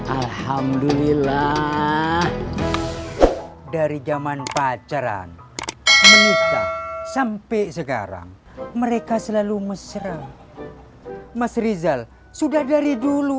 alhamdulillah dari zaman pacaran menikah sampai sekarang mereka selalu mesra mas rizal sudah dari dulu